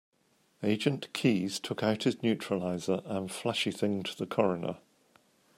Agent Keys took out his neuralizer and flashy-thinged the coroner.